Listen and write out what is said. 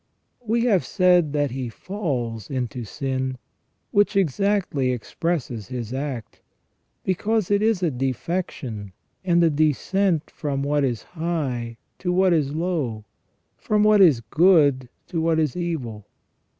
We have said that he falls into sin, which exactly expresses his act, because it is a defection, and a descent from what is high to what is low, from what is good to what is evil.